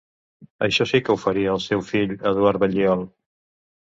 Això sí que ho faria el seu fill Eduard Balliol.